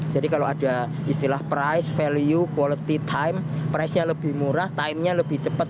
jadi kalau ada istilah price value quality time price nya lebih murah time nya lebih cepat